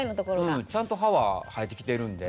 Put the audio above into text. うんちゃんと歯は生えてきてるんで。